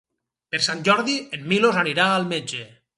Per Sant Jordi en Milos anirà al metge.